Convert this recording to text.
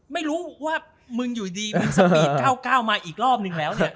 ไม่รู้ว่ามึงอยู่ดีมึงสปีด๙๙มาอีกรอบนึงแล้วเนี่ย